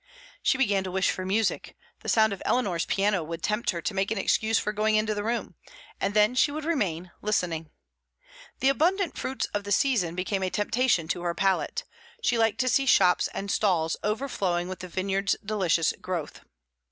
She began to wish for music; the sound of Eleanor's piano would tempt her to make an excuse for going into the room, and then she would remain, listening. The abundant fruits of the season became a temptation to her palate; she liked to see shops and stalls overflowing with the vineyard's delicious growth.